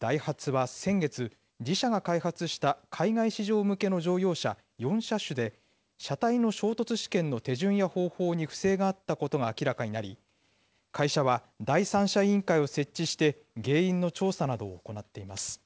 ダイハツは先月、自社が開発した海外市場向けの乗用車４車種で、車体の衝突試験の手順や方法に不正があったことが明らかになり、会社は第三者委員会を設置して、原因の調査などを行っています。